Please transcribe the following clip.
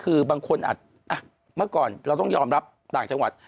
คือบางคนอาจเมื่อก่อนเราต้องยอมรับต่างจังหวัด